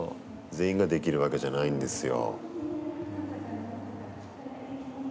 全員ができるわけじゃないんですよ。